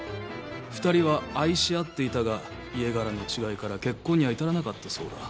２人は愛し合っていたが家柄の違いから結婚には至らなかったそうだ。